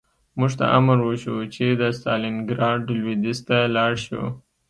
موږ ته امر وشو چې د ستالینګراډ لویدیځ ته لاړ شو